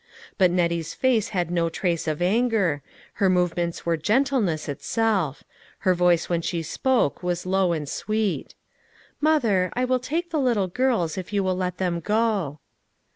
But Nettie's face had no trace of anger, her movements were gentleness itself ; her voice when she spoke was low and sweet :" Mother, I will take the little girls, if you will let them go."